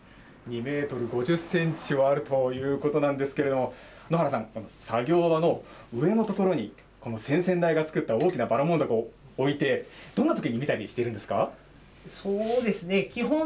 ２メートル５０センチはあるということなんですけれども、野原さん、この作業場の上の所に、この先々代が作った大きなばらもんだこを置いて、どんなときに見たりそうですね。